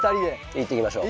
行ってきましょう。